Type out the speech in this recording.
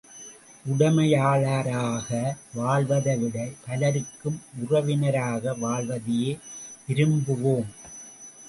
உடைமையாளராக வாழ்வதைவிட, பலருக்கும் உறவினராக வாழ்வதையே விரும்புவோம்!